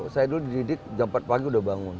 saya dulu dididik jam empat pagi udah bangun